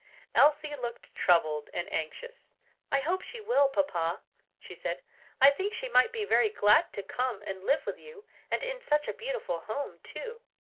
Elsie looked troubled and anxious. "I hope she will, papa," she said; "I think she might be very glad to come and live with you; and in such a beautiful home, too."